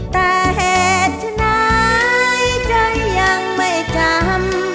แต่แห่งไหนใจยังไม่จำ